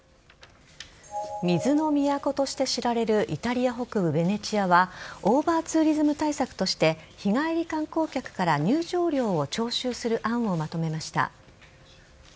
水の都として知られるイタリア北部・ベネチアはオーバーツーリズム対策として日帰り観光客から入場料を徴収する案をまとめました。